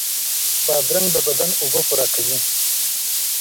بادرنګ د بدن اوبه پوره کوي.